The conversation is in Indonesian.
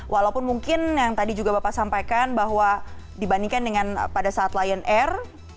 walaupun mungkin yang tadi juga bapak sampaikan bahwa dibandingkan dengan pada saat lion air